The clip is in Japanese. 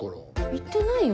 言ってないよ